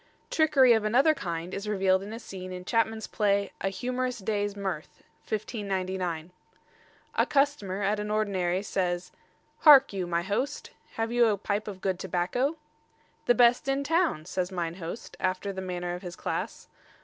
Trickery of another kind is revealed in a scene in Chapman's play "A Humorous Day's Mirth," 1599. A customer at an ordinary says: "Hark you, my host, have you a pipe of good tobacco?" "The best in the town," says mine host, after the manner of his class.